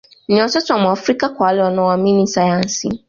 Ni watoto wa Mwafrika kwa wale wanaoamini sayansi